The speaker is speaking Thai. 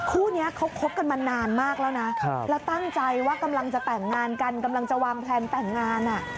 คู่นี้เขาคบกันมานานมากแล้วนะแล้วตั้งใจว่ากำลังจะแต่งงานกันกำลังจะวางแพลนแต่งงาน